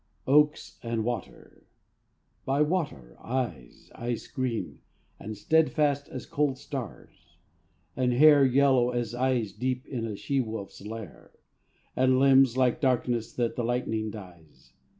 Oaks and a water. By the water eyes, Ice green and steadfast as cold stars; and hair Yellow as eyes deep in a she wolf's lair; And limbs, like darkness that the lightning dyes.